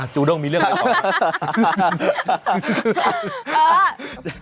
อ่ะจูด้งมีเรื่องอะไรต่อมา